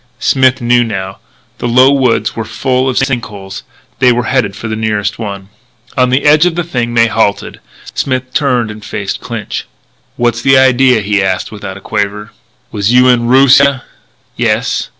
Smith knew now. The low woods were full of sink holes. They were headed for the nearest one. On the edge of the thing they halted. Smith turned and faced Clinch. "What's the idea?" he asked without a quaver. "Was you in Roosia?" "Yes."